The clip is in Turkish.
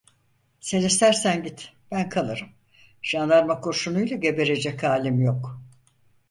Sen istersen git, ben kalırım, jandarma kurşunuyla geberecek halim yok!